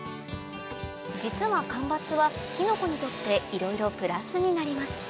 実は間伐はキノコにとっていろいろプラスになります